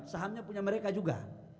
sahamnya punya mereka juga